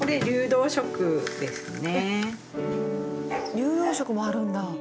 流動食もあるんだ。